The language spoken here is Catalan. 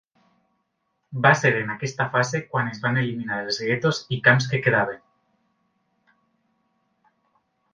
Va ser en aquesta fase quan es van eliminar els guetos i camps que quedaven.